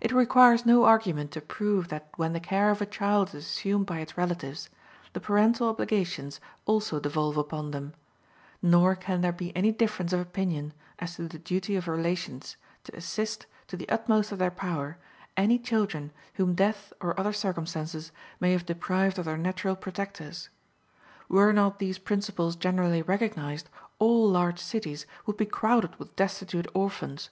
It requires no argument to prove that when the care of a child is assumed by its relatives, the parental obligations also devolve upon them; nor can there be any difference of opinion as to the duty of relations to assist, to the utmost of their power, any children whom death or other circumstances may have deprived of their natural protectors. Were not these principles generally recognized, all large cities would be crowded with destitute orphans.